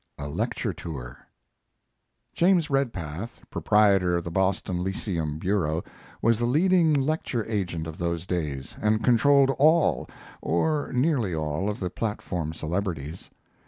A LECTURE TOUR James Redpath, proprietor of the Boston Lyceum Bureau, was the leading lecture agent of those days, and controlled all, or nearly all, of the platform celebrities.